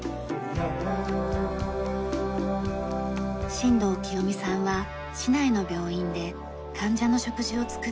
新道貴美さんは市内の病院で患者の食事を作っています。